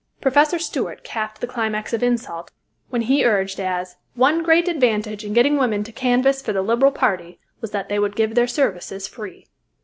Professor Stuart capped the climax of insult when he urged as "one great advantage in getting women to canvass for the Liberal party was that they would give their services free."